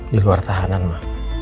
di luar tahanan ma